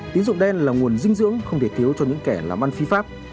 tín dụng đen là nguồn dinh dưỡng không thể thiếu cho những kẻ làm ăn phí pháp